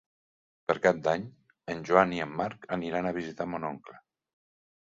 Per Cap d'Any en Joan i en Marc aniran a visitar mon oncle.